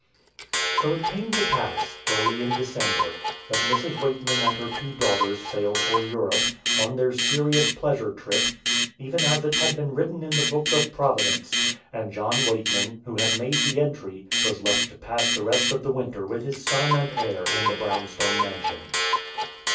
So it came to pass, early in December, that Mrs. Weightman and her two daughters sailed for Europe, on their serious pleasure trip, even as it had been written in the book of Providence; and John Weightman, who had made the entry, was left to pass the rest of the winter with his son and heir in the brownstone mansion.